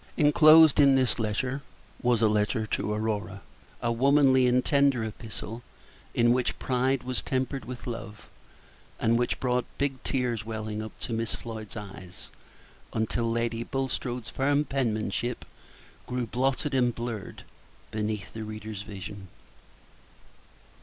Inclosed in this was a letter to Aurora, a womanly and tender epistle, in which pride was tempered with love, and which brought big tears welling up to Miss Floyd's eyes, until Lady Bulstrode's firm penmanship grew blotted and blurred beneath the reader's vision.